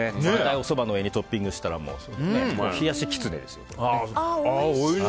おそばの上にトッピングしたら冷やしきつねです。